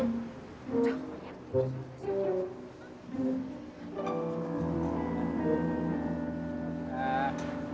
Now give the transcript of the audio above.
ya aku ngerti